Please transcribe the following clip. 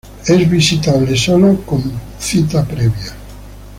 Es visitable sólo con cita previa.